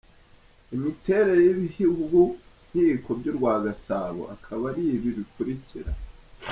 Imiterere y’ibihugu-nkiko by’ urwa Gasabo akaba ari ibi bikurikira :.